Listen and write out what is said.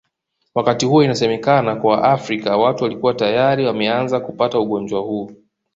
wakati huo inasemekana kwa Afrika watu walikua tayari wameanza kupata ugonjwa huu